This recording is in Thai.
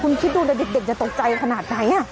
ค่อนข้างคิดดูเด็กจะตกใจขนาดไหน